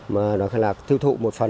mà nó là thư thụ một phần